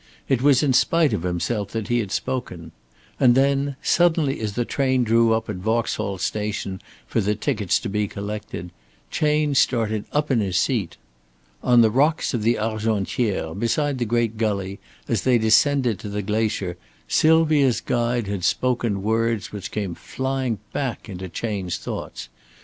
It was in spite of himself that he had spoken. And then suddenly as the train drew up at Vauxhall Station for the tickets to be collected, Chayne started up in his seat. On the rocks of the Argentière, beside the great gully, as they descended to the glacier, Sylvia's guide had spoken words which came flying back into Chayne's thoughts.